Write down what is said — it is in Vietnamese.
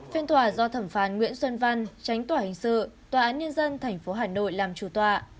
phiên tòa do thẩm phán nguyễn xuân văn tránh tòa hình sự tòa án nhân dân tp hà nội làm chủ tòa